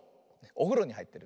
おふろにはいってる。